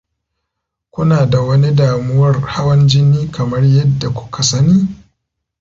kuna da wani damuwar hawan jini kamar yadda kuka sani?